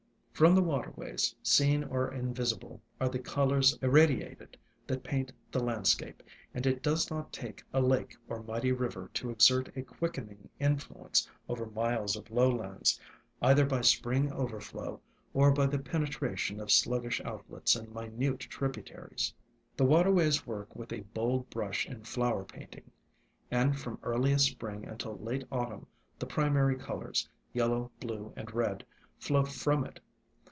From the waterways, seen or invisible, are the colors irradiated that paint the landscape, and it ALONG THE WATERWAYS 37 does not take a lake or mighty river to exert a quickening influence over miles of lowlands, either by spring overflow, or by the penetration of slug gish outlets and minute tributaries. The waterways work with a bold brush in flower painting, and from earliest spring until late autumn the primary colors, yellow, blue, and red, flow from it.